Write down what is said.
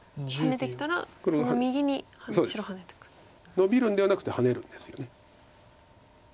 ノビるんではなくてハネるんですよね。